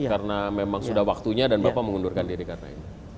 karena memang sudah waktunya dan bapak mengundurkan diri karena ini